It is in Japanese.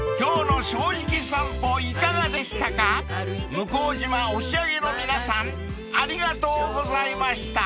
［向島押上の皆さんありがとうございました］